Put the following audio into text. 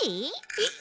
えっ？